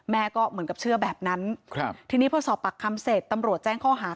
ก็เหมือนกับเชื่อแบบนั้นทีนี้พอสอบปากคำเสร็จตำรวจแจ้งข้อหา